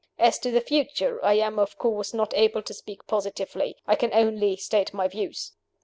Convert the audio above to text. "As to the future, I am, of course, not able to speak positively. I can only state my views.